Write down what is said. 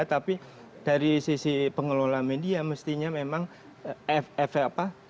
tapi dari sisi pengelola media mestinya memang efek apa